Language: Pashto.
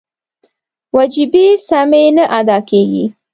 وجیبې سمې نه ادا کېږي.